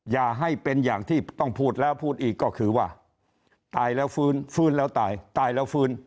อย่าให้เป็นอย่างที่ต้องพูดแล้วพูดอีกก็คือว่าตายแล้วฟื้นฟื้นแล้วตายตายแล้วฟื้น